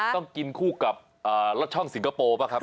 ต้องกินคู่กับรสช่องสิงคโปร์ป่ะครับ